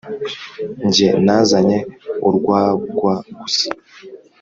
Nge nazanye urwagwa gusa